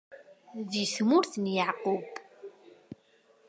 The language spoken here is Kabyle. Di tmurt n Yeɛqub.